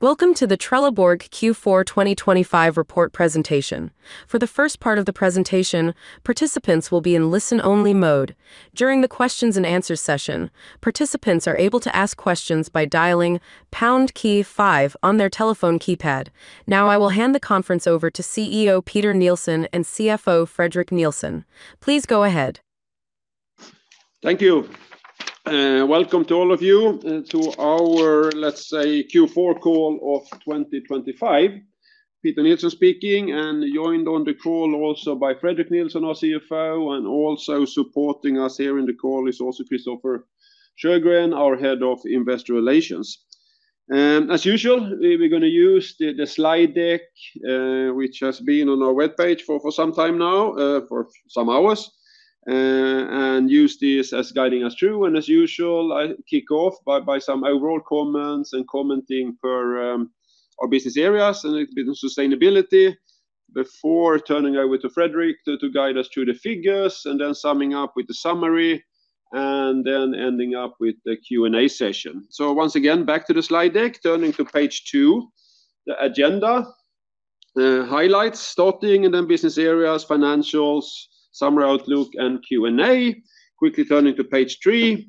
Welcome to the Trelleborg Q4 2025 report presentation. For the first part of the presentation, participants will be in listen-only mode. During the questions and answers session, participants are able to ask questions by dialing pound key five on their telephone keypad. Now, I will hand the conference over to CEO Peter Nilsson and CFO Fredrik Nilsson. Please go ahead. Thank you. Welcome to all of you to our, let's say, Q4 call of 2025. Peter Nilsson speaking, and joined on the call also by Fredrik Nilsson, our CFO, and also supporting us here in the call is also Christofer Sjögren, our Head of Investor Relations. As usual, we're gonna use the slide deck, which has been on our web page for some time now, for some hours, and use this as guiding us through. And as usual, I kick off by some overall comments and commenting for our business areas and a bit on sustainability before turning over to Fredrik to guide us through the figures, and then summing up with the summary, and then ending up with the Q&A session. Once again, back to the slide deck, turning to page two, the agenda. Highlights, starting, and then business areas, financials, summary outlook, and Q&A. Quickly turning to page three,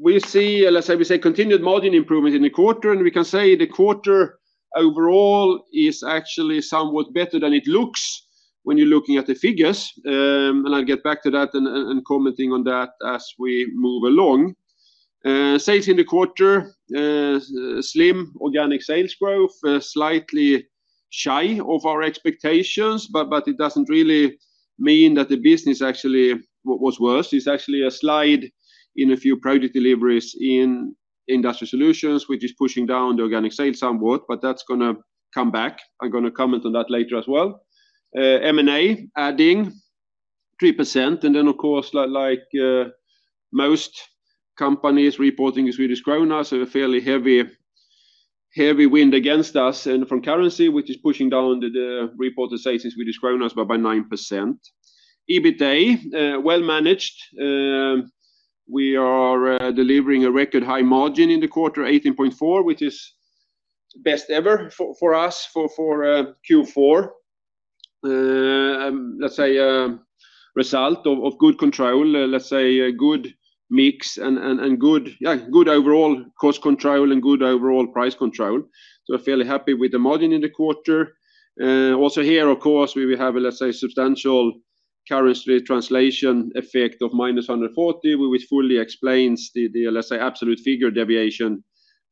we see, let's say, we say continued margin improvement in the quarter, and we can say the quarter overall is actually somewhat better than it looks when you're looking at the figures. And I'll get back to that and commenting on that as we move along. Sales in the quarter, slim organic sales growth, slightly shy of our expectations, but it doesn't really mean that the business actually was worse. It's actually a slide in a few project deliveries in Industrial Solutions, which is pushing down the organic sales somewhat, but that's gonna come back. I'm gonna comment on that later as well. M&A adding 3%, and then, of course, like, like, most companies reporting in Swedish krona, so a fairly heavy headwind against us from currency, which is pushing down the reported sales in Swedish krona by 9%. EBITA, well managed. We are delivering a record high margin in the quarter, 18.4%, which is best ever for us for Q4. That's a result of good control, let's say a good mix and good overall cost control and good overall price control. So fairly happy with the margin in the quarter. Also here, of course, we have a substantial currency translation effect of minus 140, which fully explains the absolute figure deviation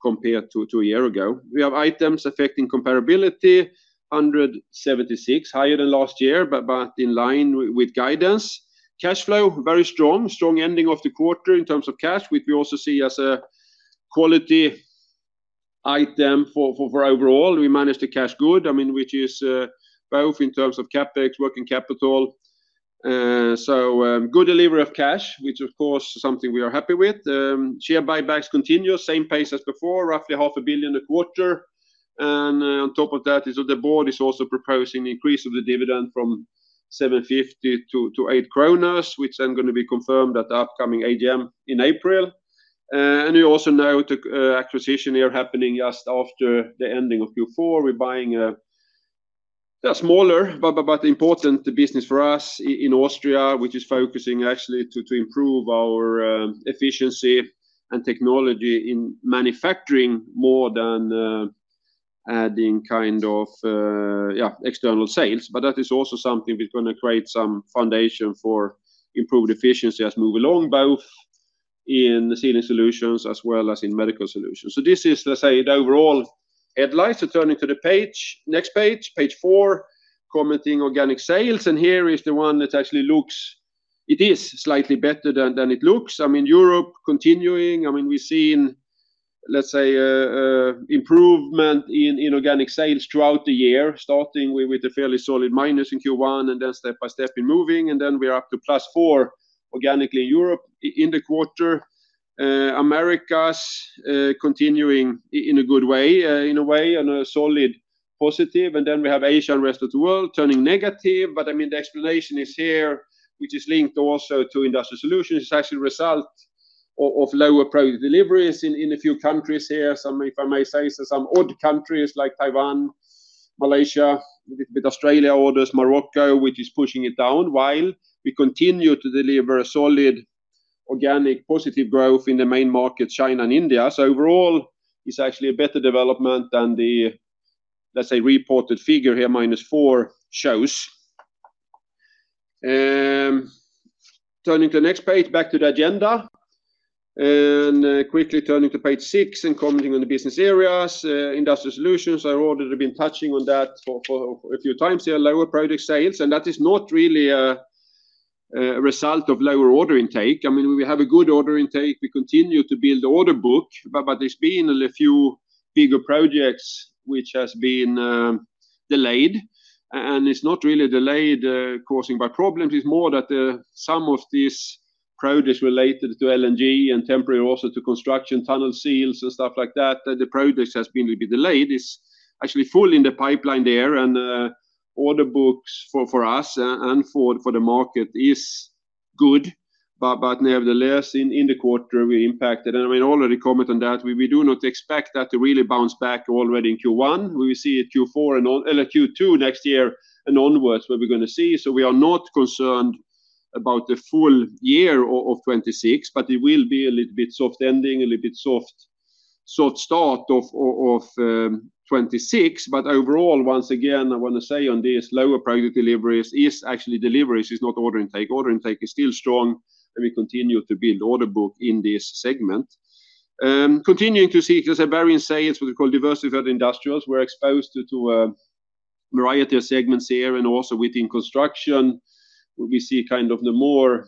compared to a year ago. We have items affecting comparability, 176 million, higher than last year, but in line with guidance. Cash flow, very strong, strong ending of the quarter in terms of cash, which we also see as a quality item for overall. We managed the cash good, I mean, which is both in terms of CapEx, working capital. Good delivery of cash, which of course is something we are happy with. Share buybacks continue, same pace as before, roughly 500 million a quarter. And on top of that is that the board is also proposing an increase of the dividend from 7.50 to 8 kronor, which then gonna be confirmed at the upcoming AGM in April. And you also note acquisition here happening just after the ending of Q4. We're buying a smaller but important business for us in Austria, which is focusing actually to improve our efficiency and technology in manufacturing more than adding kind of yeah external sales. But that is also something which gonna create some foundation for improved efficiency as we move along, both in the Sealing Solutions as well as in Medical Solutions. So this is, let's say, the overall headlines. So turning to the page, next page, page four, commenting organic sales, and here is the one that actually looks. It is slightly better than it looks. I mean, Europe continuing. I mean, we've seen, let's say, improvement in organic sales throughout the year, starting with a fairly solid minus in Q1, and then step by step, we're moving, and then we are up to +4 organically in Europe in the quarter. Americas continuing in a good way, in a way, and a solid positive. And then we have Asia and rest of the world turning negative. But, I mean, the explanation is here, which is linked also to Industrial Solutions. It's actually a result of lower project deliveries in a few countries here. Some, if I may say, so some odd countries like Taiwan, Malaysia, with Australia orders, Morocco, which is pushing it down. While we continue to deliver a solid organic positive growth in the main market, China and India. So overall, it's actually a better development than the, let's say, reported figure here, -4, shows. Turning to the next page, back to the agenda. And, quickly turning to page 6 and commenting on the business areas, Industrial Solutions, I've already been touching on that for, for a few times here. Lower project sales, and that is not really a, a result of lower order intake. I mean, we have a good order intake. We continue to build the order book, but, but there's been a few bigger projects which has been, delayed, and it's not really delayed, causing by problems. It's more that, some of these projects related to LNG and temporary, also to construction, tunnel seals, and stuff like that, the projects has been a bit delayed. It's actually full in the pipeline there, and order books for us and for the market is good, but nevertheless, in the quarter, we impacted. I mean, already comment on that, we do not expect that to really bounce back already in Q1. We will see it Q4 and on and Q2 next year and onwards, what we're gonna see. So we are not concerned about the full year of 2026, but it will be a little bit soft ending, a little bit soft start of 2026. But overall, once again, I wanna say on this, lower project deliveries is actually deliveries, is not order intake. Order intake is still strong, and we continue to build order book in this segment. Continuing to see, as I wherein say, it's what we call diversified industrials. We're exposed to a variety of segments here and also within construction, we see kind of the more,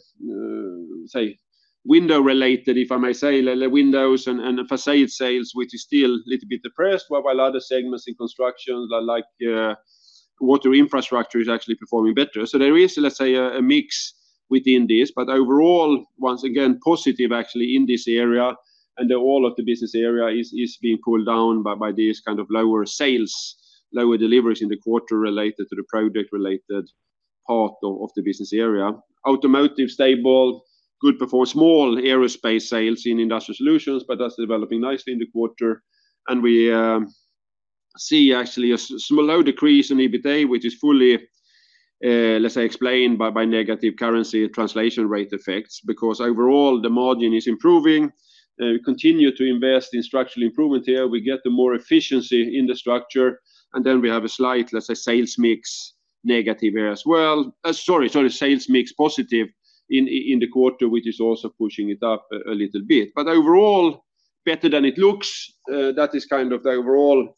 say, window-related, if I may say, the windows and facade sales, which is still a little bit depressed, while other segments in construction, like water infrastructure, is actually performing better. So there is, let's say, a mix within this, but overall, once again, positive actually in this area, and all of the business area is being pulled down by these kind of lower sales, lower deliveries in the quarter related to the project-related part of the business area. Automotive stable, good performance, small aerospace sales in Industrial Solutions, but that's developing nicely in the quarter. And we see actually a small decrease in EBITA, which is fully, let's say, explained by, by negative currency translation rate effects, because overall, the margin is improving. We continue to invest in structural improvement here. We get the more efficiency in the structure, and then we have a slight, let's say, sales mix negative here as well. Sorry, sorry, sales mix positive in, in the quarter, which is also pushing it up a, a little bit. But overall, better than it looks, that is kind of the overall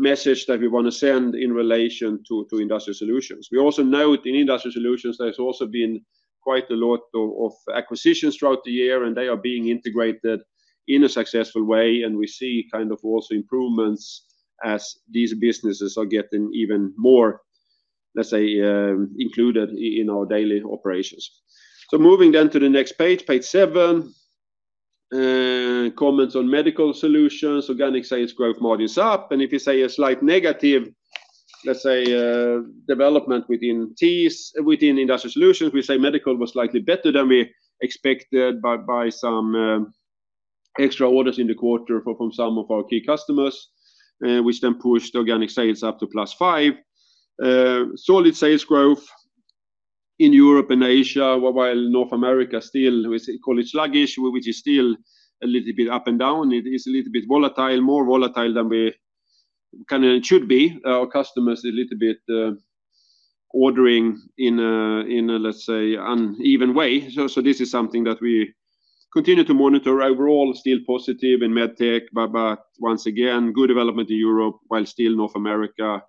message that we want to send in relation to, Industrial Solutions. We also note in Industrial Solutions, there's also been quite a lot of acquisitions throughout the year, and they are being integrated in a successful way, and we see kind of also improvements as these businesses are getting even more, let's say, included in our daily operations. So moving down to the next page, page seven, comments on Medical Solutions. Organic sales growth margin is up, and if you say a slight negative, let's say, development within TIS, within Industrial Solutions, we say Medical was slightly better than we expected by some extra orders in the quarter from some of our key customers, which then pushed organic sales up to +5%. Solid sales growth in Europe and Asia, while North America still, we call it sluggish, which is still a little bit up and down. It is a little bit volatile, more volatile than we kind of should be. Our customers a little bit ordering in a, let's say, uneven way. So, so this is something that we continue to monitor. Overall, still positive in MedTech, but, but once again, good development in Europe, while still North America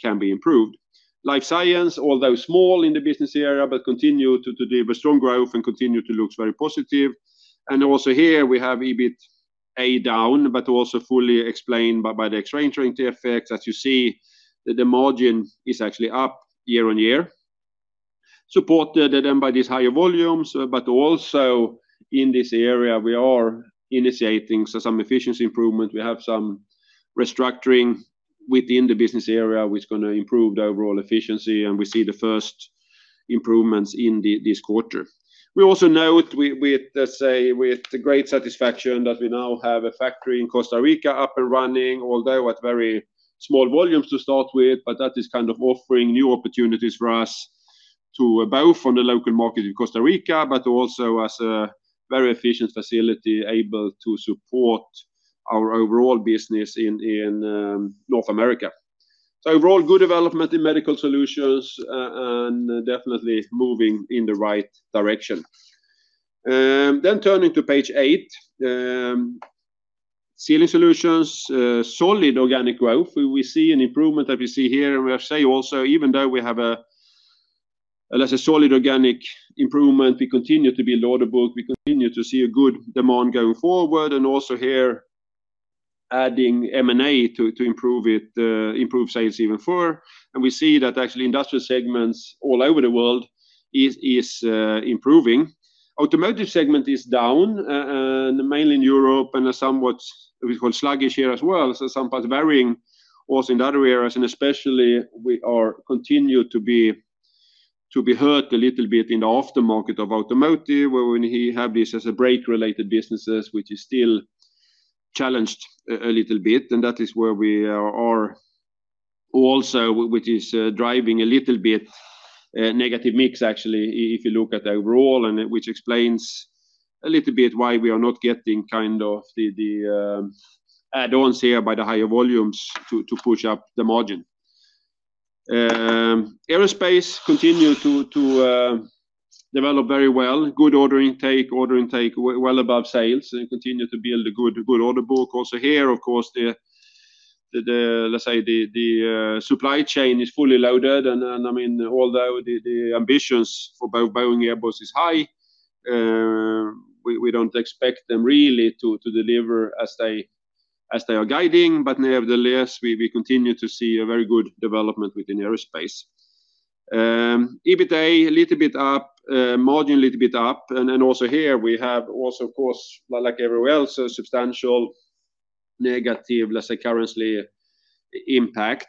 can be improved. Life Science, although small in the business area, but continue to deliver strong growth and continue to looks very positive. And also here, we have EBITA down, but also fully explained by the exchange rate effects. As you see, the margin is actually up year on year, supported then by these higher volumes, but also in this area, we are initiating some efficiency improvement. We have some restructuring within the business area, which is gonna improve the overall efficiency, and we see the first improvements in this quarter. We also note with great satisfaction that we now have a factory in Costa Rica up and running, although at very small volumes to start with, but that is kind of offering new opportunities for us to both on the local market in Costa Rica, but also as a very efficient facility able to support our overall business in North America. So overall, good development in Medical Solutions, and definitely moving in the right direction. Then turning to page eight, Sealing Solutions, solid organic growth. We, we see an improvement that we see here, and we have, say, also, even though we have a, let's say, solid organic improvement, we continue to build order book, we continue to see a good demand going forward, and also here, adding M&A to, to improve it, improve sales even further. And we see that actually, industrial segments all over the world is, is, improving. Automotive segment is down, mainly in Europe, and somewhat, we call sluggish here as well, so sometimes varying also in other areas, and especially, we continue to be hurt a little bit in the aftermarket of automotive, where we have this as brake-related businesses, which is still challenged a little bit, and that is where we are also, which is, driving a little bit negative mix, actually, if you look at the overall, and which explains a little bit why we are not getting kind of the add-ons here by the higher volumes to push up the margin. Aerospace continue to develop very well. Good order intake, order intake well above sales and continue to build a good order book. Also here, of course, let's say, the supply chain is fully loaded, and I mean, although the ambitions for both Boeing, Airbus is high, we don't expect them really to deliver as they are guiding, but nevertheless, we continue to see a very good development within aerospace. EBITA a little bit up, margin a little bit up, and then also here, we have also, of course, like everywhere else, a substantial negative, let's say, currency impact.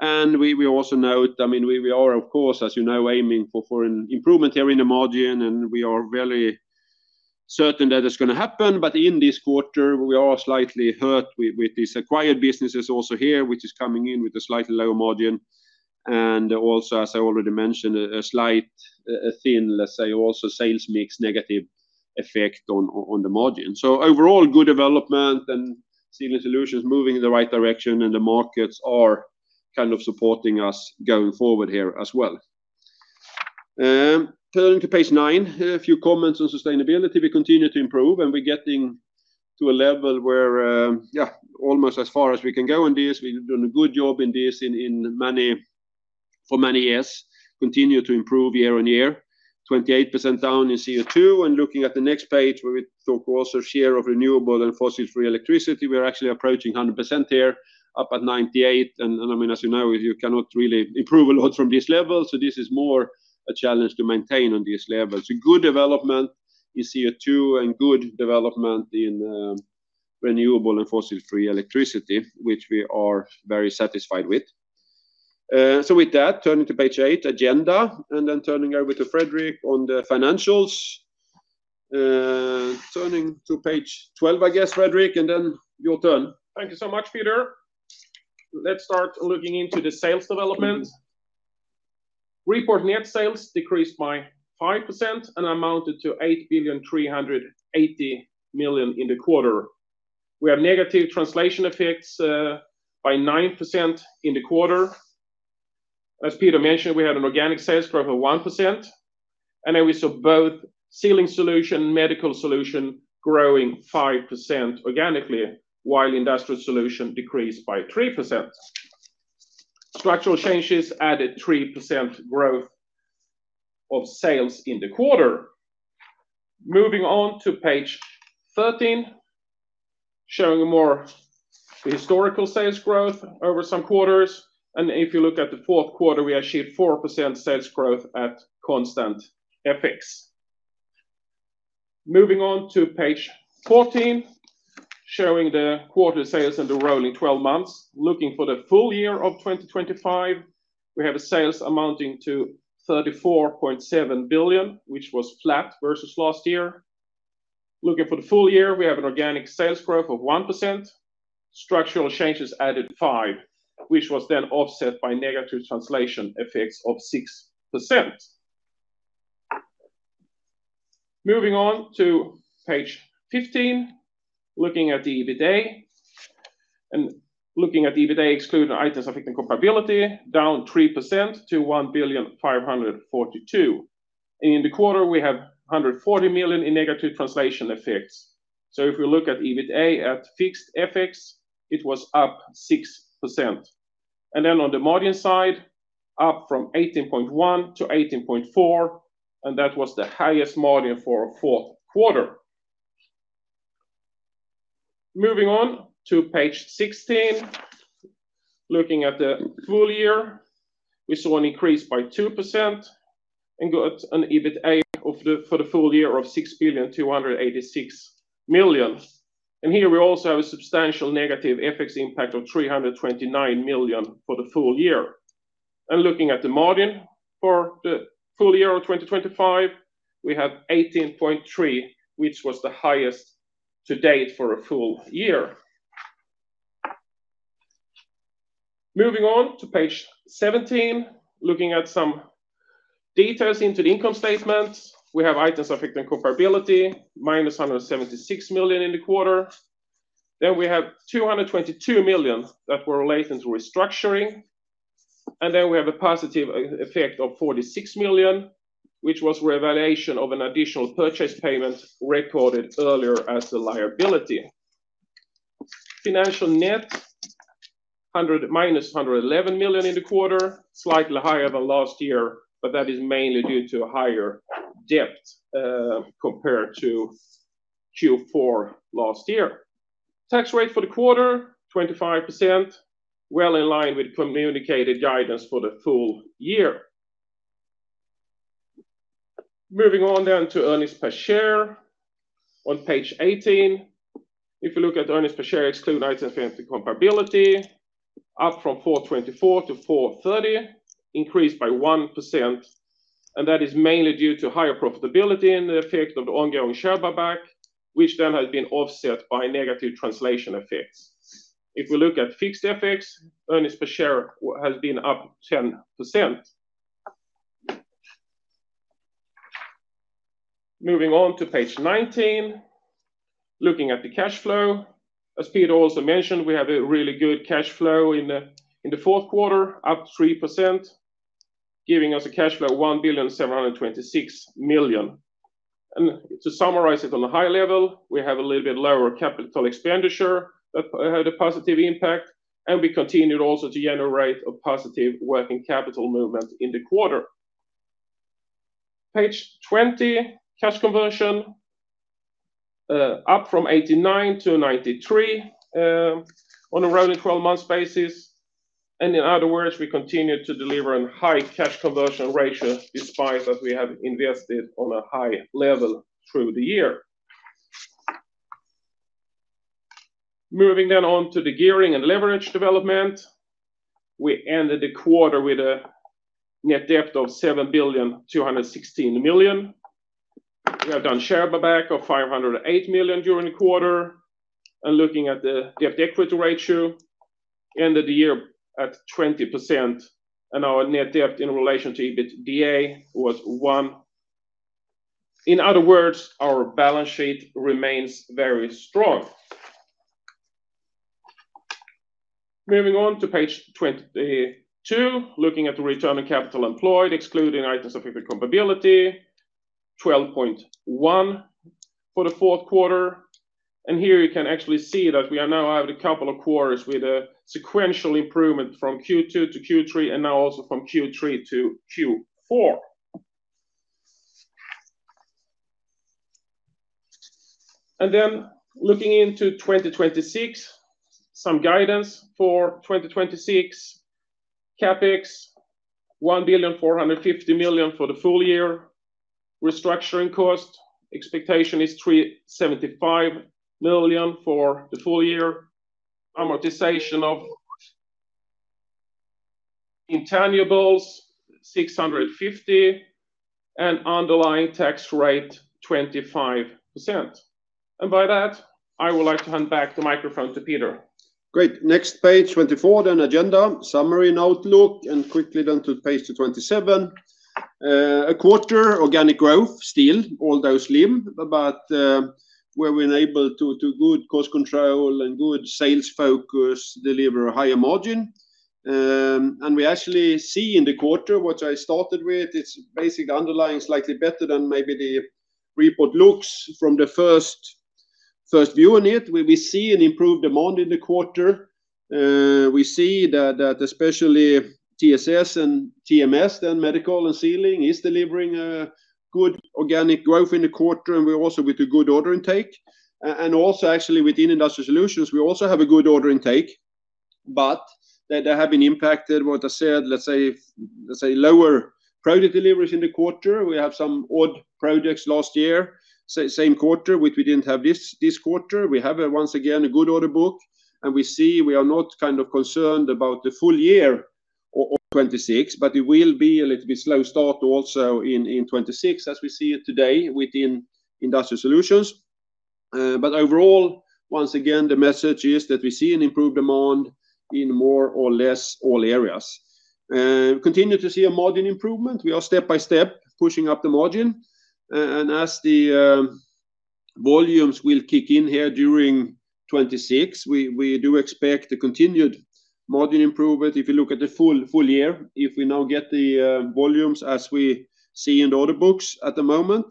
And we also note, I mean, we are, of course, as you know, aiming for an improvement here in the margin, and we are really certain that it's gonna happen. But in this quarter, we are slightly hurt with these acquired businesses also here, which is coming in with a slightly lower margin. Also, as I already mentioned, a slight, let's say, sales mix negative effect on the margin. So overall, good development, and Sealing Solutions moving in the right direction, and the markets are kind of supporting us going forward here as well. Turning to page nine, a few comments on sustainability. We continue to improve, and we're getting to a level where, yeah, almost as far as we can go on this. We've done a good job in this for many years, continue to improve year on year, 28% down in CO2. Looking at the next page, where we talk also share of renewable and fossil-free electricity, we are actually approaching 100% here, up at 98. I mean, as you know, you cannot really improve a lot from this level, so this is more a challenge to maintain on this level. So good development in CO2, and good development in renewable and fossil-free electricity, which we are very satisfied with. So with that, turning to page 8, agenda, and then turning over to Fredrik on the financials. Turning to page 12, I guess, Fredrik, and then your turn. Thank you so much, Peter. Let's start looking into the sales development. Reported net sales decreased by 5% and amounted to 8,380 million in the quarter. We have negative translation effects by 9% in the quarter. As Peter mentioned, we had an organic sales growth of 1%, and then we saw both Sealing Solutions, Medical Solutions growing 5% organically, while Industrial Solutions decreased by 3%. Structural changes added 3% growth of sales in the quarter. Moving on to page 13, showing more historical sales growth over some quarters, and if you look at the fourth quarter, we achieved 4% sales growth at constant FX. Moving on to page 14, showing the quarter sales and the rolling twelve months. Looking for the full year of 2025, we have sales amounting to 34.7 billion, which was flat versus last year. Looking for the full year, we have an organic sales growth of 1%. Structural changes added 5%, which was then offset by negative translation effects of 6%. Moving on to page 15, looking at the EBITA. Looking at the EBITA, excluding items affecting comparability, down 3% to 1,542 million. In the quarter, we have 140 million in negative translation effects. So if you look at EBITA at fixed FX, it was up 6%. On the margin side, up from 18.1% to 18.4%, and that was the highest margin for a fourth quarter. Moving on to page 16. Looking at the full year, we saw an increase by 2% and got an EBITA of for the full year of 6.286 billion. Here we also have a substantial negative FX impact of 329 million for the full year. Looking at the margin for the full year of 2025, we have 18.3%, which was the highest to date for a full year. Moving on to page 17, looking at some details into the income statement. We have items affecting comparability, -176 million in the quarter. Then we have 222 million that were related to restructuring, and then we have a positive effect of 46 million, which was revaluation of an additional purchase payment recorded earlier as a liability. Financial net, minus 111 million in the quarter, slightly higher than last year, but that is mainly due to higher debt compared to Q4 last year. Tax rate for the quarter, 25%, well in line with communicated guidance for the full year. Moving on then to earnings per share on page 18. If you look at the earnings per share, exclude items affecting comparability, up from 4.24 to 4.30, increased by 1%, and that is mainly due to higher profitability and the effect of the ongoing share buyback, which then has been offset by negative translation effects. If we look at fixed FX, earnings per share has been up 10%. Moving on to page 19, looking at the cash flow. As Peter also mentioned, we have a really good cash flow in the fourth quarter, up 3%, giving us a cash flow of 1,726 million. To summarize it on a high level, we have a little bit lower capital expenditure that had a positive impact, and we continued also to generate a positive working capital movement in the quarter. Page 20, cash conversion up from 89 to 93 on a rolling twelve-month basis. In other words, we continue to deliver on high cash conversion ratio, despite that we have invested on a high level through the year. Moving then on to the gearing and leverage development, we ended the quarter with a net debt of 7,216 million. We have done share buyback of 508 million during the quarter. Looking at the debt-to-equity ratio, it ended the year at 20%, and our net debt in relation to EBITDA was 1. In other words, our balance sheet remains very strong. Moving on to page 22, looking at the return on capital employed, excluding items affecting comparability, 12.1% for the fourth quarter. And here you can actually see that we are now having a couple of quarters with a sequential improvement from Q2 to Q3, and now also from Q3 to Q4. And then looking into 2026, some guidance for 2026: CapEx, 1.45 billion for the full year. Restructuring cost, expectation is 375 million for the full year. Amortization of intangibles, 650 million, and underlying tax rate, 25%. And by that, I would like to hand back the microphone to Peter. Great. Next page, 24, then agenda, summary and outlook, and quickly down to page 27. A quarter organic growth, still, although slim, but we've been able to good cost control and good sales focus, deliver a higher margin. And we actually see in the quarter, what I started with, it's basically underlying slightly better than maybe the report looks from the first view on it. We see an improved demand in the quarter. We see that especially TSS and TMS, then Medical and Sealing is delivering a good organic growth in the quarter, and we also with a good order intake. And also actually within Industrial Solutions, we also have a good order intake, but they have been impacted, what I said, let's say, lower product deliveries in the quarter. We have some odd projects last year, same quarter, which we didn't have this quarter. We have, once again, a good order book, and we see we are not kind of concerned about the full year of 2026, but it will be a little bit slow start also in 2026, as we see it today within Industrial Solutions. But overall, once again, the message is that we see an improved demand in more or less all areas. Continue to see a margin improvement. We are step by step, pushing up the margin, and as the volumes will kick in here during 2026, we do expect a continued margin improvement. If you look at the full, full year, if we now get the volumes as we see in the order books at the moment,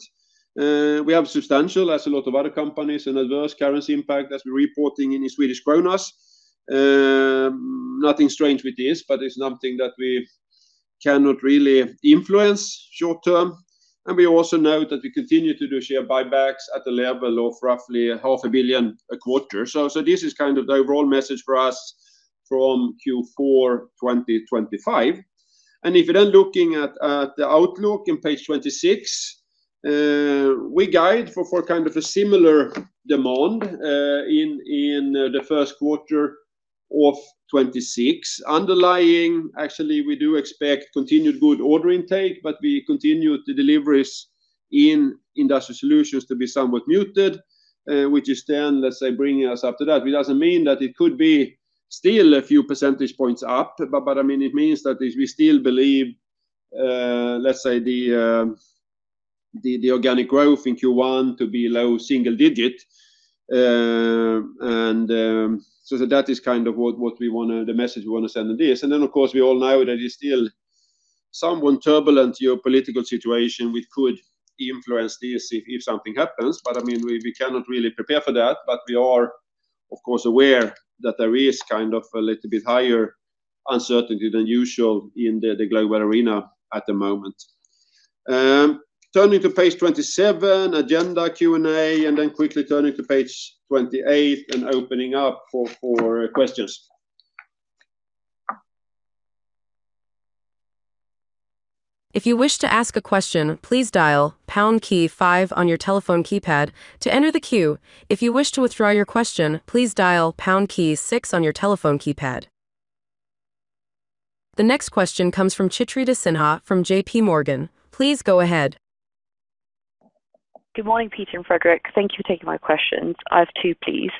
we have substantial, as a lot of other companies, and adverse currency impact as we're reporting in Swedish kronas. Nothing strange with this, but it's something that we cannot really influence short term. And we also note that we continue to do share buybacks at a level of roughly 500 million a quarter. So, so this is kind of the overall message for us from Q4 2025. And if you're then looking at the outlook in page 26, we guide for kind of a similar demand in the first quarter of 2026. Underlying, actually, we do expect continued good order intake, but we continue the deliveries in Industrial Solutions to be somewhat muted, which is then, let's say, bringing us up to that. It doesn't mean that it could be still a few percentage points up, but, but I mean, it means that we still believe, let's say, the organic growth in Q1 to be low single digit. And so that is kind of what we wanna, the message we wanna send in this. And then, of course, we all know that it's still somewhat turbulent geopolitical situation, which could influence this if something happens. But, I mean, we cannot really prepare for that, but we are, of course, aware that there is kind of a little bit higher uncertainty than usual in the global arena at the moment. Turning to page 27, agenda, Q&A, and then quickly turning to page 28 and opening up for questions. If you wish to ask a question, please dial pound key five on your telephone keypad to enter the queue. If you wish to withdraw your question, please dial pound key six on your telephone keypad. The next question comes from Chetan Udeshi from JP Morgan. Please go ahead. Good morning, Peter and Fredrik. Thank you for taking my questions. I have two, please.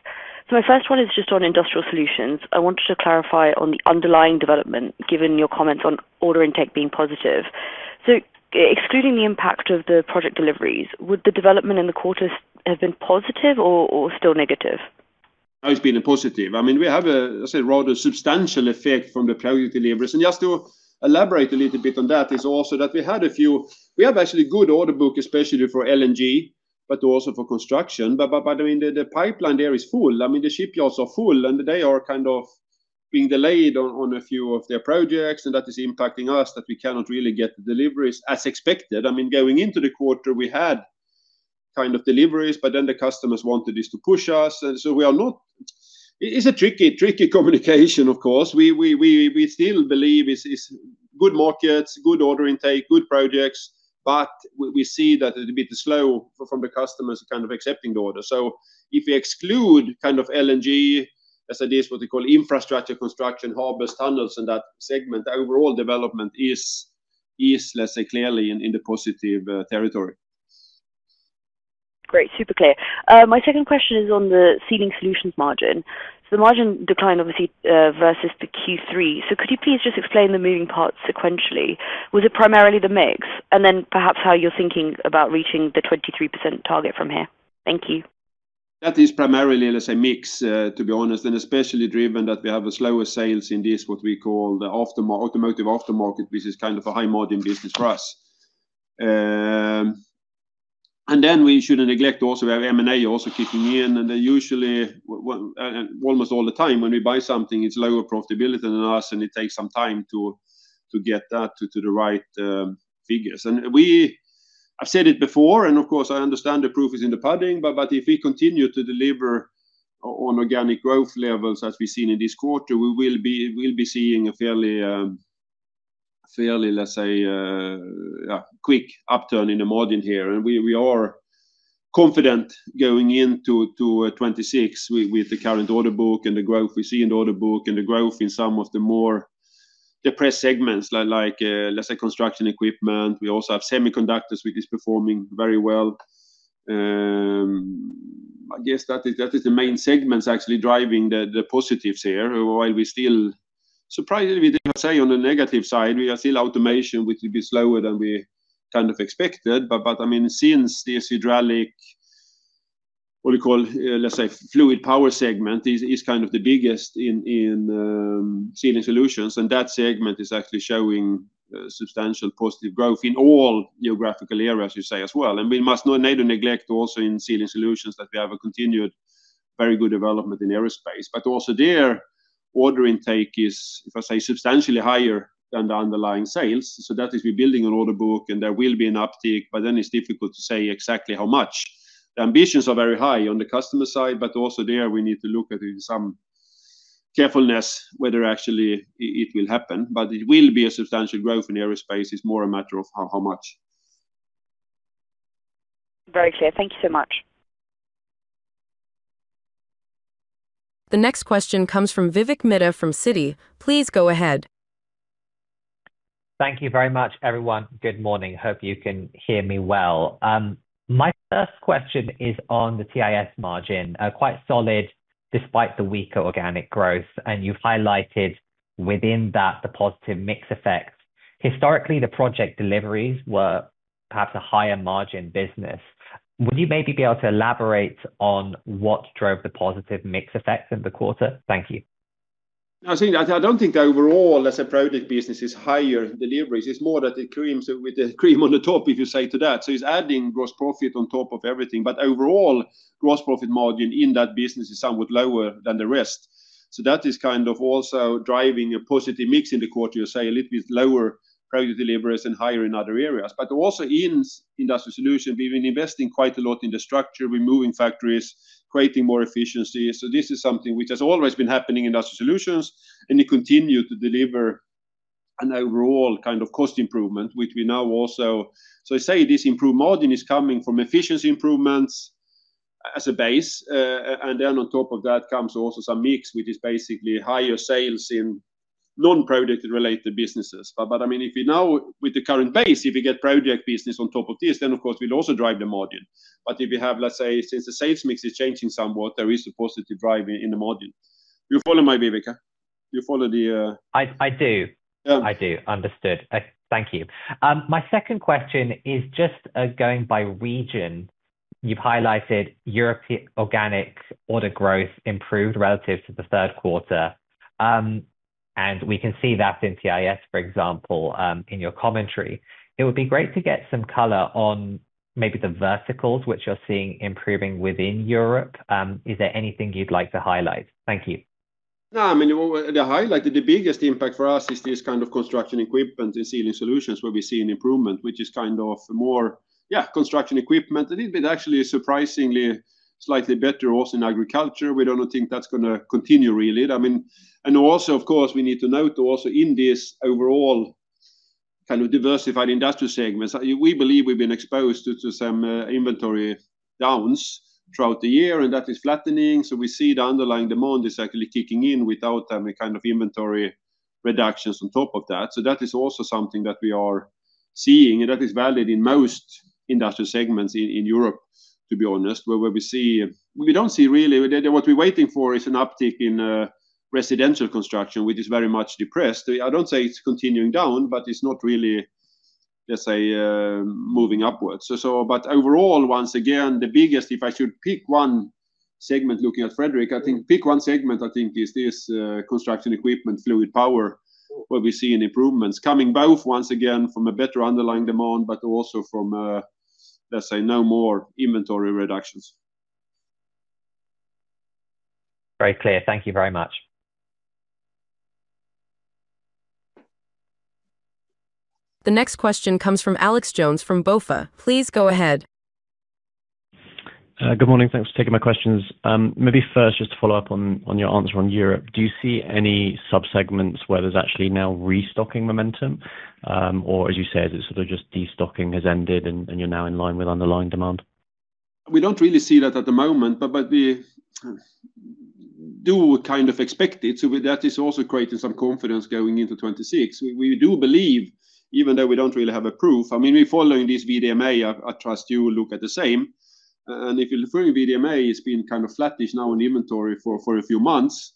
My first one is just on Industrial Solutions. I wanted to clarify on the underlying development, given your comments on order intake being positive. Excluding the impact of the project deliveries, would the development in the quarter have been positive or still negative? It's been a positive. I mean, we have a, let's say, rather substantial effect from the project deliveries. Just to elaborate a little bit on that, is also that we have actually good order book, especially for LNG, but also for construction. I mean, the pipeline there is full. I mean, the shipyards are full, and they are kind of being delayed on a few of their projects, and that is impacting us, that we cannot really get the deliveries as expected. I mean, going into the quarter, we had kind of deliveries, but then the customers wanted this to push us, and so we are not—it's a tricky, tricky communication, of course. We still believe it's good markets, good order intake, good projects, but we see that a little bit slow from the customers kind of accepting the order. So if we exclude kind of LNG, as it is, what we call infrastructure, construction, harbors, tunnels, and that segment, the overall development is, let's say, clearly in the positive territory. Great, super clear. My second question is on the Sealing Solutions margin. The margin declined obviously versus the Q3. So could you please just explain the moving parts sequentially? Was it primarily the mix? And then perhaps how you're thinking about reaching the 23% target from here. Thank you. That is primarily, let's say, mix, to be honest, and especially driven that we have a slower sales in this, what we call the automotive aftermarket, which is kind of a high-margin business for us. And then we shouldn't neglect also we have M&A also kicking in, and then usually, and almost all the time, when we buy something, it's lower profitability than us, and it takes some time to get that to the right figures. And we-- I've said it before, and of course, I understand the proof is in the pudding, but if we continue to deliver on organic growth levels as we've seen in this quarter, we will be, we'll be seeing a fairly, fairly, let's say, yeah, quick upturn in the margin here. We are confident going into 2026 with the current order book and the growth we see in the order book and the growth in some of the more depressed segments like, let's say, construction equipment. We also have semiconductors, which is performing very well. I guess that is the main segments actually driving the positives here, while we still... Surprisingly, we say on the negative side, we are still automation, which will be slower than we kind of expected. But, I mean, since this hydraulic, what we call, let's say, fluid power segment is kind of the biggest in Sealing Solutions, and that segment is actually showing substantial positive growth in all geographical areas, you say, as well. We must not neglect also in Sealing Solutions that we have a continued very good development in aerospace. But also there, order intake is, if I say, substantially higher than the underlying sales, so that is, we're building an order book, and there will be an uptick, but then it's difficult to say exactly how much. The ambitions are very high on the customer side, but also there, we need to look at in some carefulness whether actually it will happen. But it will be a substantial growth in aerospace. It's more a matter of how, how much. Very clear. Thank you so much. The next question comes from Vivek Midha from Citi. Please go ahead. Thank you very much, everyone. Good morning. Hope you can hear me well. My first question is on the TIS margin, quite solid, despite the weaker organic growth, and you highlighted within that the positive mix effect. Historically, the project deliveries were perhaps a higher margin business. Would you maybe be able to elaborate on what drove the positive mix effects in the quarter? Thank you. I think I don't think the overall as a project business is higher deliveries. It's more that the creams with the cream on the top, if you say to that, so it's adding gross profit on top of everything, but overall, gross profit margin in that business is somewhat lower than the rest. So that is kind of also driving a positive mix in the quarter, you say a little bit lower project deliveries and higher in other areas. But also in Industrial Solutions, we've been investing quite a lot in the structure, we're moving factories, creating more efficiency. So this is something which has always been happening in Industrial Solutions, and it continues to deliver an overall kind of cost improvement, which we now also. So I say this improved margin is coming from efficiency improvements as a base, and then on top of that comes also some mix, which is basically higher sales in non-project related businesses. But, I mean, if you now, with the current base, if we get project business on top of this, then, of course, we'll also drive the margin. But if you have, let's say, since the sales mix is changing somewhat, there is a positive drive in the margin. You follow me, Vivek? You follow the, I do. Yes. I do. Understood. Thank you. My second question is just going by region. You've highlighted European organic order growth improved relative to the third quarter, and we can see that in TIS, for example, in your commentary. It would be great to get some color on maybe the verticals which you're seeing improving within Europe. Is there anything you'd like to highlight? Thank you. No, I mean, the highlight, the biggest impact for us is this kind of construction equipment in Sealing Solutions, where we see an improvement, which is kind of more, yeah, construction equipment. A little bit, actually, surprisingly, slightly better also in agriculture. We don't think that's gonna continue, really. I mean... And also, of course, we need to note also in this overall kind of diversified industrial segments, we believe we've been exposed to some inventory downs throughout the year, and that is flattening. So we see the underlying demand is actually kicking in without any kind of inventory reductions on top of that. So that is also something that we are seeing, and that is valid in most industrial segments in Europe, to be honest, where we see. We don't see really. What we're waiting for is an uptick in residential construction, which is very much depressed. I don't say it's continuing down, but it's not really, let's say, moving upwards. So, but overall, once again, the biggest, if I should pick one segment, looking at Fredrik, I think pick one segment, I think is this, construction equipment, fluid power, where we're seeing improvements coming both, once again, from a better underlying demand, but also from, let's say, no more inventory reductions. Very clear. Thank you very much. The next question comes from Alex Jones from BofA. Please go ahead. Good morning. Thanks for taking my questions. Maybe first, just to follow up on, on your answer on Europe, do you see any subsegments where there's actually now restocking momentum? Or as you said, it's sort of just destocking has ended and, and you're now in line with underlying demand? We don't really see that at the moment, but we do kind of expect it. So that is also creating some confidence going into 2026. We do believe, even though we don't really have a proof, I mean, we're following this VDMA. I trust you look at the same. And if you're referring VDMA, it's been kind of flattish now in inventory for a few months.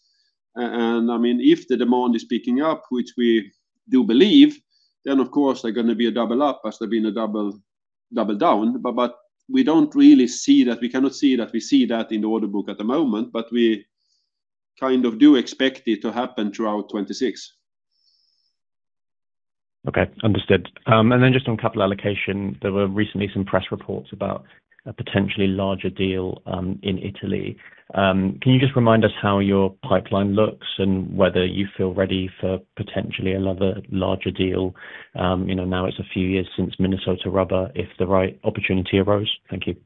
And, I mean, if the demand is picking up, which we do believe, then of course, they're gonna be a double up, as they've been a double, double down. But we don't really see that. We cannot see that, we see that in the order book at the moment, but we kind of do expect it to happen throughout 2026. Okay, understood. And then just on capital allocation, there were recently some press reports about a potentially larger deal in Italy. Can you just remind us how your pipeline looks and whether you feel ready for potentially another larger deal? You know, now it's a few years since Minnesota Rubber, if the right opportunity arose. Thank you.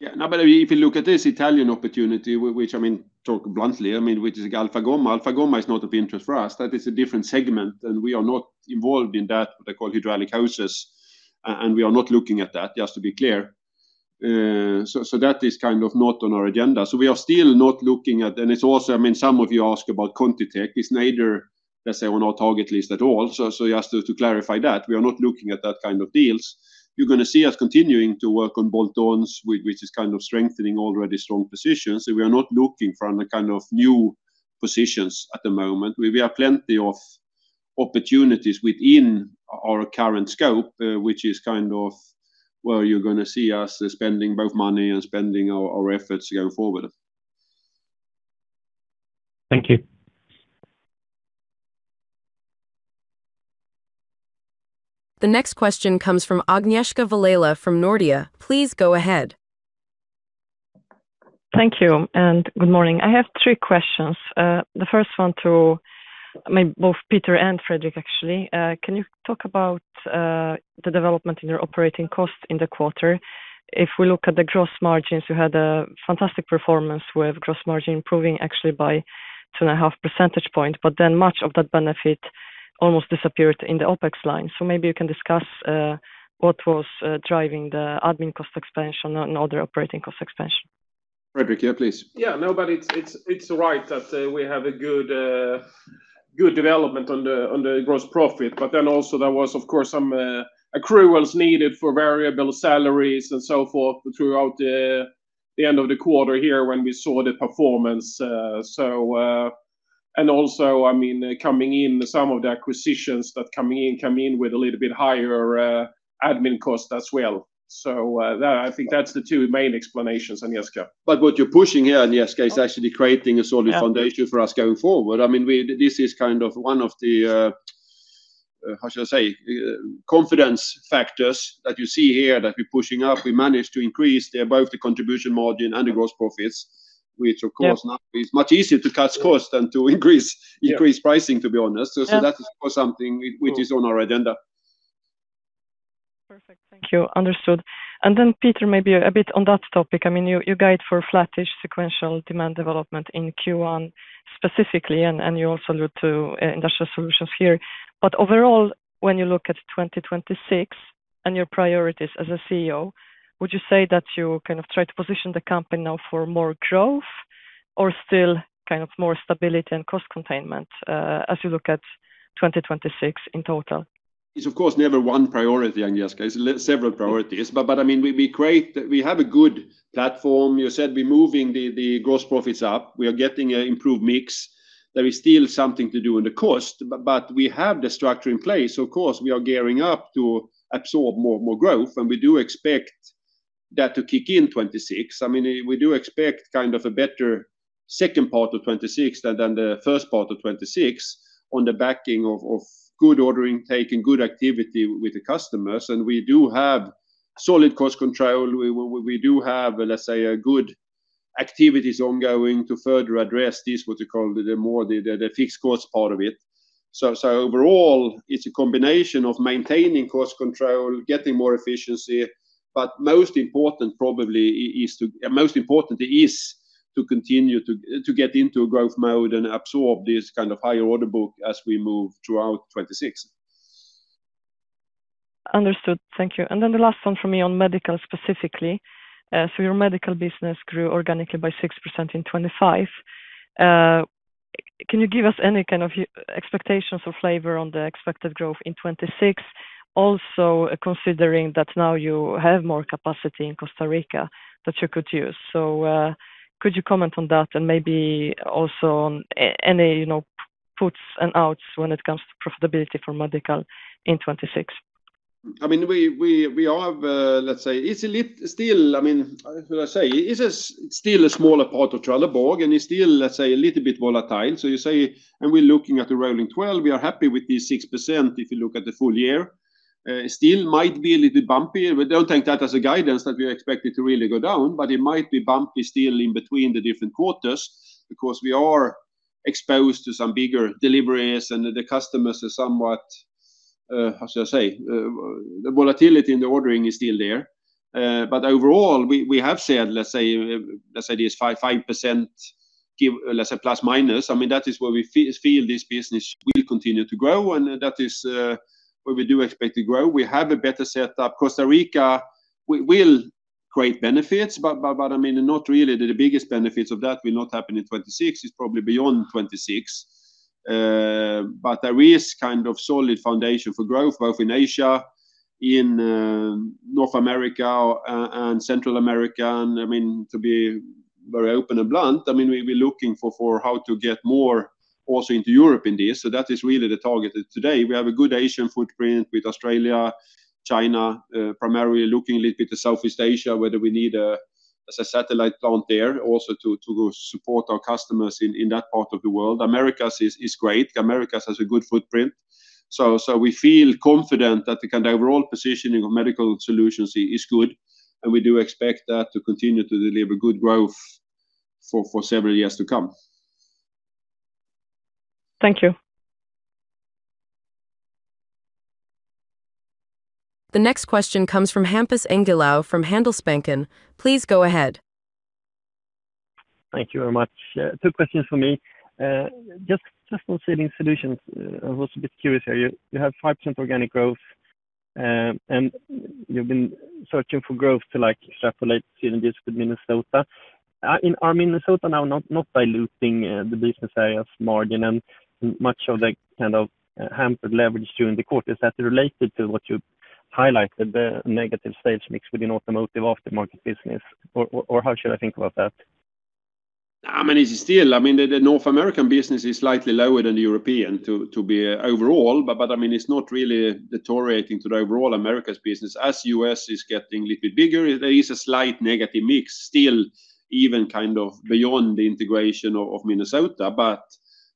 Yeah. Now, but if you look at this Italian opportunity, which, I mean, talk bluntly, I mean, which is Alfagomma. Alfagomma is not of interest for us, that is a different segment, and we are not involved in that, what they call hydraulic hoses, and we are not looking at that, just to be clear. So, that is kind of not on our agenda. So we are still not looking at—and it's also, I mean, some of you ask about ContiTech. It's neither, let's say, on our target list at all. So, just to clarify that, we are not looking at that kind of deals. You're gonna see us continuing to work on bolt-ons, which is kind of strengthening already strong positions. So we are not looking for any kind of new positions at the moment. We, we have plenty of opportunities within our current scope, which is kind of where you're gonna see us spending both money and spending our, our efforts going forward. Thank you. The next question comes from Agnieszka Vilela from Nordea. Please go ahead. Thank you, and good morning. I have three questions. The first one to, I mean, both Peter and Fredrik, actually. Can you talk about the development in your operating costs in the quarter? If we look at the gross margins, you had a fantastic performance with gross margin improving actually by 2.5 percentage points, but then much of that benefit almost disappeared in the OpEx line. So maybe you can discuss what was driving the admin cost expansion and other operating cost expansion. Fredrik, yeah, please. Yeah. No, but it's right that we have a good, good development on the gross profit, but then also there was, of course, some accruals needed for variable salaries and so forth throughout the end of the quarter here when we saw the performance. So, and also, I mean, coming in, some of the acquisitions that coming in come in with a little bit higher admin cost as well. So, that, I think that's the two main explanations, Agnieszka. But what you're pushing here, Agnieszka, is actually creating a solid foundation for us going forward. I mean, this is kind of one of the, how should I say, confidence factors that you see here that we're pushing up. We managed to increase both the contribution margin and the gross profits, which, of course now is much easier to cut costs than to increase, Yeah Increase pricing, to be honest. Yeah. That is, of course, something which is on our agenda. Perfect. Thank you. Understood. And then, Peter, maybe a bit on that topic. I mean, you, you guide for flattish sequential demand development in Q1, specifically, and, and you also looked to industrial solutions here. But overall, when you look at 2026 and your priorities as a CEO, would you say that you kind of try to position the company now for more growth or still kind of more stability and cost containment, as you look at 2026 in total? It's, of course, never one priority, Agnieszka, it's several priorities. But I mean, we have a good platform. You said we're moving the gross profits up, we are getting an improved mix. There is still something to do on the cost, but we have the structure in place. Of course, we are gearing up to absorb more growth, and we do expect that to kick in 2026. I mean, we do expect kind of a better second part of 2026 than the first part of 2026, on the backing of good ordering, taking good activity with the customers, and we do have solid cost control. We do have, let's say, good activities ongoing to further address this, what you call the more, the fixed cost part of it. Overall, it's a combination of maintaining cost control, getting more efficiency, but most important is to continue to get into a growth mode and absorb this kind of higher order book as we move throughout 2026. Understood. Thank you. And then the last one for me on medical, specifically. So your medical business grew organically by 6% in 2025. Can you give us any kind of expectations or flavor on the expected growth in 2026? Also, considering that now you have more capacity in Costa Rica that you could use. So, could you comment on that and maybe also on any, you know, puts and takes when it comes to profitability for medical in 2026? I mean, we are, let's say, it's still, I mean, how do I say? It's still a smaller part of Trelleborg, and it's still, let's say, a little bit volatile. So you say, and we're looking at a rolling 12, we are happy with the 6% if you look at the full year. Still might be a little bumpy, but don't take that as a guidance that we expect it to really go down, but it might be bumpy still in between the different quarters because we are exposed to some bigger deliveries, and the customers are somewhat, how should I say? The volatility in the ordering is still there. But overall, we have said, let's say, let's say it is 5, 5% give, let's say, plus, minus. I mean, that is where we feel this business will continue to grow, and that is where we do expect to grow. We have a better setup. Costa Rica will create benefits, but, but I mean, not really the biggest benefits of that will not happen in 2026. It's probably beyond 2026. But there is kind of solid foundation for growth, both in Asia, in North America, and Central America. And I mean, to be very open and blunt, I mean, we're looking for how to get more also into Europe in this. So that is really the target. Today, we have a good Asian footprint with Australia, China, primarily looking a little bit to Southeast Asia, whether we need as a satellite down there also to support our customers in that part of the world. Americas is great. Americas has a good footprint, so we feel confident that the kind of overall positioning of Medical Solutions is good, and we do expect that to continue to deliver good growth for several years to come. Thank you. The next question comes from Hampus Engellau from Handelsbanken. Please go ahead. Thank you very much. Two questions for me. Just on Sealing Solutions, I was a bit curious here. You have 5% organic growth, and you've been searching for growth to, like, extrapolate synergies with Minnesota. Are Minnesota now not diluting the business area's margin and much of the kind of hampered leverage during the quarter? Is that related to what you highlighted, the negative sales mix within automotive aftermarket business, or how should I think about that? I mean, it's still, I mean, the North American business is slightly lower than the European, to be overall, but I mean, it's not really deteriorating to the overall Americas business. As US is getting a little bit bigger, there is a slight negative mix still, even kind of beyond the integration of Minnesota. But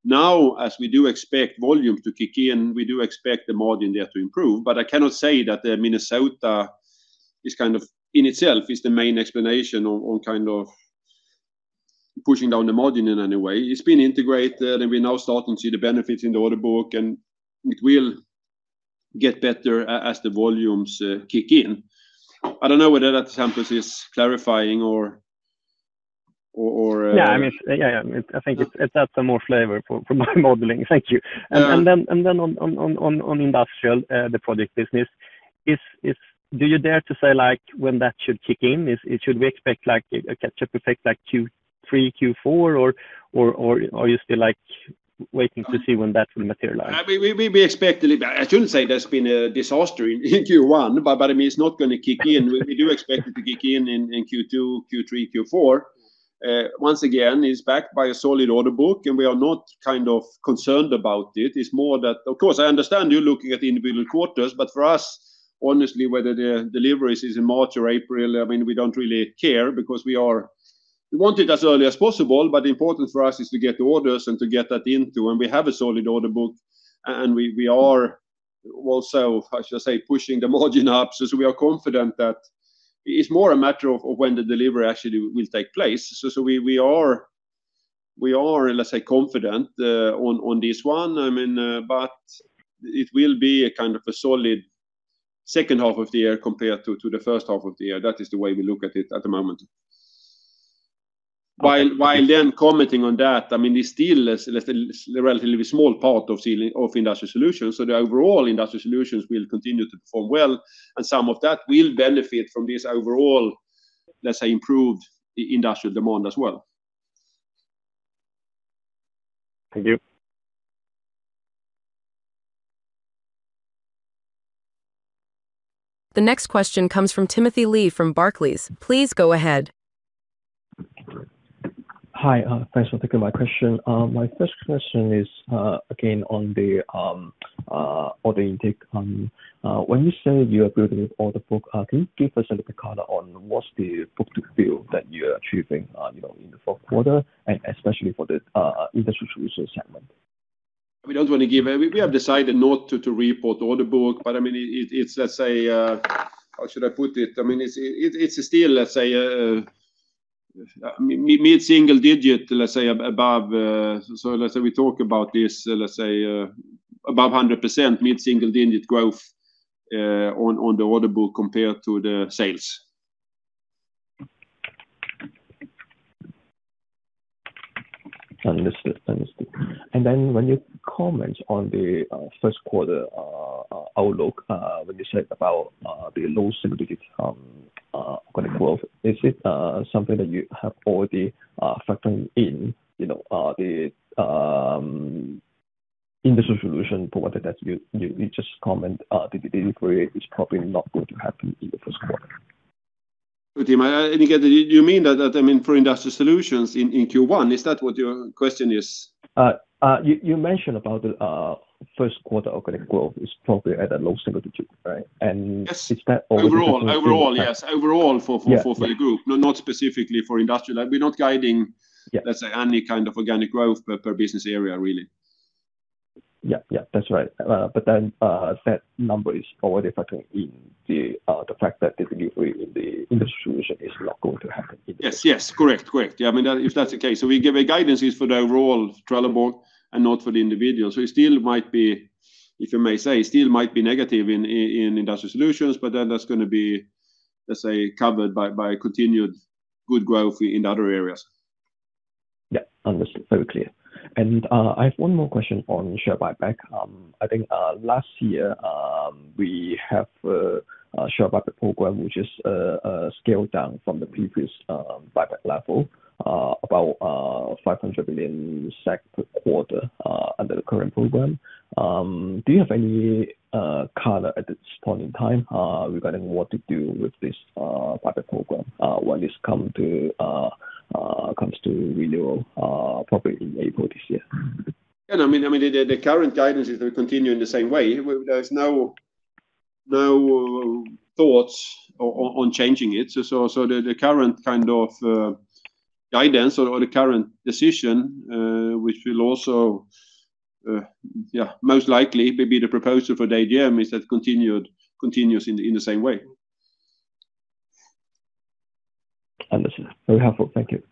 now, as we do expect volume to kick in, we do expect the margin there to improve. But I cannot say that the Minnesota is kind of, in itself, is the main explanation on kind of pushing down the margin in any way. It's been integrated, and we now start to see the benefits in the order book, and it will get better as the volumes kick in. I don't know whether that, Hampus, is clarifying or, or. Yeah, I mean, yeah, yeah. I think it adds some more flavor for, for my modeling. Thank you. And then on Industrial, the product business, do you dare to say, like, when that should kick in? Or should we expect, like, a catch-up effect, like Q3, Q4, or are you still, like, waiting to see when that will materialize? We expect it. I shouldn't say there's been a disaster in Q1, but I mean, it's not gonna kick in. We do expect it to kick in in Q2, Q3, Q4. Once again, it's backed by a solid order book, and we are not kind of concerned about it. It's more that. Of course, I understand you're looking at the individual quarters, but for us, honestly, whether the deliveries is in March or April, I mean, we don't really care because we want it as early as possible, but important for us is to get the orders and to get that into. And we have a solid order book, and we are also, I should say, pushing the margin up. So we are confident that it's more a matter of when the delivery actually will take place. So we are, let's say, confident on this one. I mean, but it will be a kind of a solid second half of the year compared to the first half of the year. That is the way we look at it at the moment. Okay. While commenting on that, I mean, it's still a relatively small part of Industrial Solutions, so the overall Industrial Solutions will continue to perform well, and some of that will benefit from this overall, let's say, improved industrial demand as well. Thank you. The next question comes from Timothy Lee from Barclays. Please go ahead. Hi, thanks for taking my question. My first question is, again, on the order intake. When you say you are building order book, can you give us a little color on what's the book-to-bill that you're achieving, you know, in the fourth quarter, and especially for the Industrial Solutions segment? We don't want to give. We have decided not to report order book, but I mean, it's, let's say, how should I put it? I mean, it's still, let's say, mid-single digit, let's say, above. So let's say we talk about this, let's say, above 100%, mid-single digit growth on the order book compared to the sales. Understood. Fantastic. And then when you comment on the first quarter outlook, when you said about the low single digit organic growth, is it something that you have already factoring in, you know, the Industrial Solutions for what that you just comment, the inquiry is probably not going to happen in the first quarter? Good team, and again, you mean that, I mean, for Industrial Solutions in Q1, is that what your question is? You mentioned about the first quarter organic growth is probably at a low single digit, right? And is that all. Overall, yes. Overall for the group, not specifically for industrial. We're not guiding let's say, any kind of organic growth per business area, really. Yeah, yeah, that's right. But then, that number is already factoring in the, the fact that the delivery in the distribution is not going to happen? Yes, yes. Correct. Correct. Yeah, I mean that if that's the case. So we give a guidance is for the overall Trelleborg and not for the individual. So it still might be, if you may say, still might be negative in Industrial Solutions, but then that's gonna be, let's say, covered by continued good growth in the other areas. Yeah, understood. Very clear. I have one more question on share buyback. I think, last year, we have a share buyback program, which is scaled down from the previous buyback level, about 500 million SEK per quarter, under the current program. Do you have any color at this point in time, regarding what to do with this buyback program, when it comes to renewal, probably in April this year? Yeah, I mean, the current guidance is to continue in the same way. There's no thoughts on changing it. So, the current kind of guidance or the current decision, which will also, yeah, most likely may be the proposal for the AGM, is that continued, continues in the same way. Understood. Very helpful. Thank you.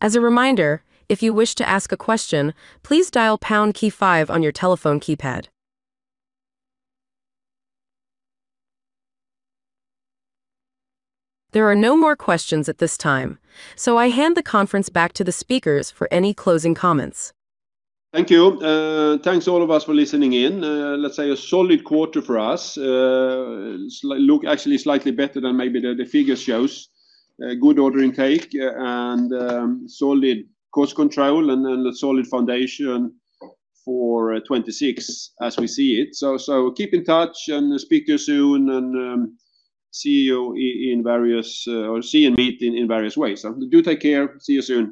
As a reminder, if you wish to ask a question, please dial pound key five on your telephone keypad. There are no more questions at this time, so I hand the conference back to the speakers for any closing comments. Thank you. Thanks all of us for listening in. Let's say a solid quarter for us. Look actually slightly better than maybe the figure shows. A good order intake, and solid cost control, and then a solid foundation for 2026 as we see it. So keep in touch, and speak to you soon, and see you in various, or see and meet in various ways. So do take care. See you soon.